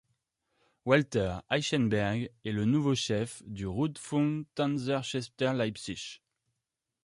Walter Eichenberg est le nouveau chef du Rundfunk-Tanzorchester Leipzig.